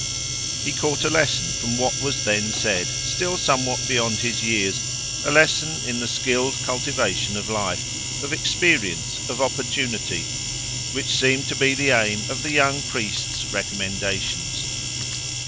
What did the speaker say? He caught a lesson from what was then said, still somewhat beyond his years, a lesson in the skilled cultivation of life, of experience, of opportunity, which seemed to be the aim of the young priest's recommendations.